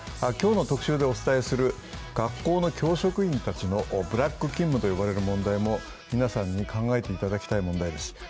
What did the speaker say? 今日の特集でお伝えする学校の教職員たちのブラック勤務と呼ばれる問題も皆さんに考えていただきたい問題です。